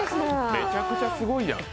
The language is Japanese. めちゃくちゃすごいやん。